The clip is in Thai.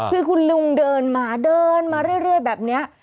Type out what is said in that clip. คือคุณลุงเดินมาเดินมาเรื่อยแบบนี้